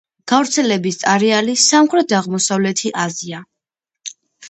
გავრცელების არეალი სამხრეთ-აღმოსავლეთი აზია.